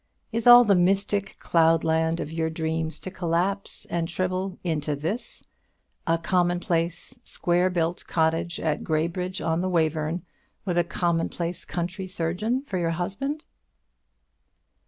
Is all the mystic cloudland of your dreams to collapse and shrivel into this, a commonplace square built cottage at Graybridge on the Wayverne, with a commonplace country surgeon for your husband?